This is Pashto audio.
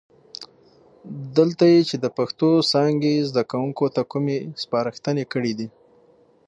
دلته یې چې د پښتو څانګې زده کوونکو ته کومې سپارښتنې کړي دي،